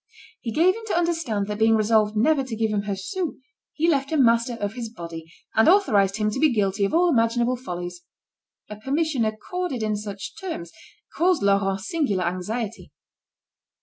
He gave him to understand that being resolved never to give him a sou, he left him master of his body, and authorised him to be guilty of all imaginable follies. A permission accorded in such terms, caused Laurent singular anxiety.